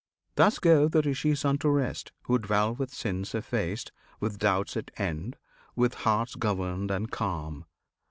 Thus go the Rishis unto rest, who dwell With sins effaced, with doubts at end, with hearts Governed and calm.